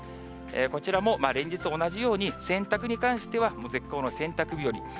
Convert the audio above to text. こちらも連日、同じように洗濯に関しては、もう絶好の洗濯日和。